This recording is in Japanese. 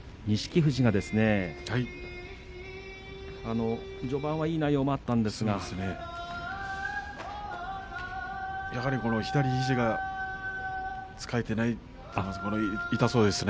富士が序盤はいい内容もあったんですが左肘が使えていませんね